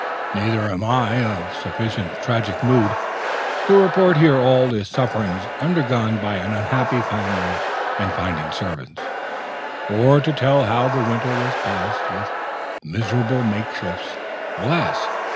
Neither am I of sufficiently tragic mood to report here all the sufferings undergone by an unhappy family in finding servants, or to tell how the winter was passed with miserable makeshifts. Alas!